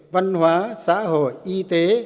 văn hóa xã hội y tế